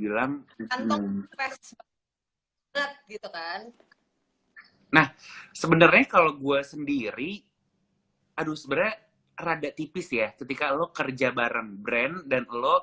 hai nah sebenarnya kalau gua sendiri aduh seberanya rada tipis ya ketika lo kerja bareng brand dan